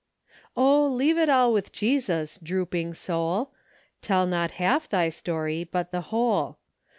" Oh, leave it all with Jesus , Drooping soul! Tell not half thy story, But the whole.